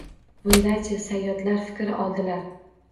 Bundan-chi, sayyodlar fikr oldilar